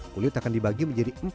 kulit akan dibagi menjadi empat